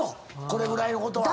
これぐらいのことは。